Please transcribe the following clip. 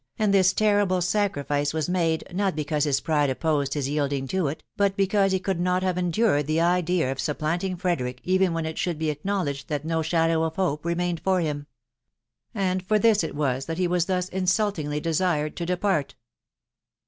.... and this terrible sacrifice was made, not because his pride opposed his yielding to it, but because he could not have endured the idea of supplanting Frederick even when it should be acknowledged that no shadow of hope remained for him. And for this it was that he was thus insultingly desired to •depart.